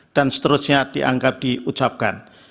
dan seterusnya dianggap diucapkan